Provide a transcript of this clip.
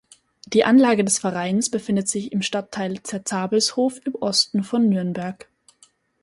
Die Anlage des Vereins befindet sich im Stadtteil Zerzabelshof im Osten von Nürnberg.